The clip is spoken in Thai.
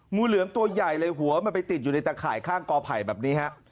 งูเหลือมตัวใหญ่เลยหัวมันไปติดอยู่ในตะข่ายข้างกอไผ่แบบนี้ฮะ